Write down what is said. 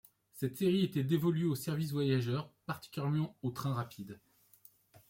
Cette série était dévolue au service voyageurs particulièrement aux trains rapides.